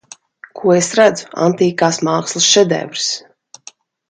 Ko es redzu Antīkās mākslas šedevrs.